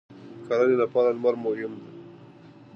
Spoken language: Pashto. • د کرنې لپاره لمر مهم و.